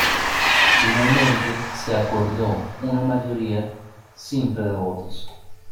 Finalmente se acordó una mayoría simple de votos.